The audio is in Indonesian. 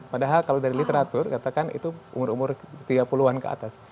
padahal kalau dari literatur katakan itu umur umur tiga puluh an ke atas